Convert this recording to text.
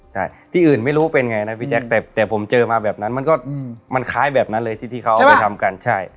ใช่ที่อื่นไม่รู้เป็นไงนะพี่แจ๊คแต่ผมเจอมาแบบนั้นมันก็มันคล้ายแบบนั้นเลยที่เขาเอาไปทำกันใช่